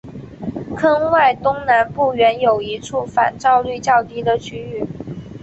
坑外东南不远有一处反照率较低的区域。